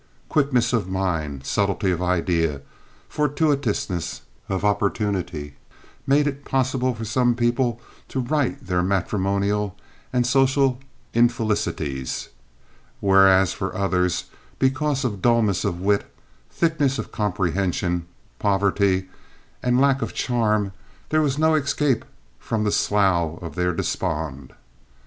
Quickness of mind, subtlety of idea, fortuitousness of opportunity, made it possible for some people to right their matrimonial and social infelicities; whereas for others, because of dullness of wit, thickness of comprehension, poverty, and lack of charm, there was no escape from the slough of their despond.